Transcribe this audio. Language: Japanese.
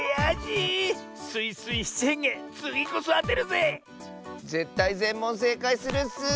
ぜったいぜんもんせいかいするッス！